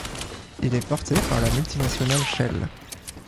Il est porté par la multinationale Shell.